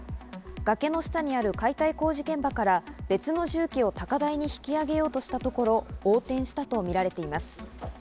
崖の下にある解体工事現場から別の重機を高台に引き上げようとしたところ、横転したとみられています。